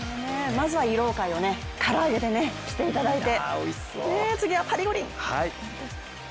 まずは慰労会を唐揚げでしていただいて。